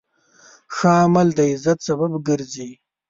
ښه عمل د عزت سبب ګرځي.